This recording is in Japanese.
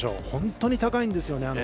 本当に高いんですよね